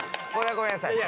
ごめんなさい。